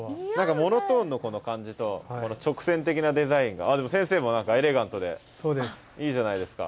モノトーンのこの感じとこの直線的なデザインが先生もエレガントでいいじゃないですか。